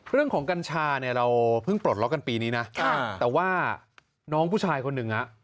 กัญชาเนี่ยเราเพิ่งปลดล็อกกันปีนี้นะแต่ว่าน้องผู้ชายคนหนึ่งอ่ะ